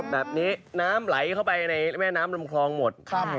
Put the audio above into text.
แบบนี้น้ำไหลเข้าไปในแม่น้ำลำคลองหมด